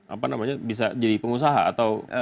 apa namanya bisa jadi pengusaha atau